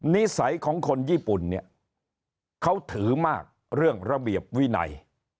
นิสัยของคนญี่ปุ่นเนี่ยเขาถือมากเรื่องระเบียบวินัย